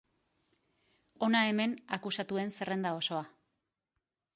Hona hemen akusatuen zerrenda osoa.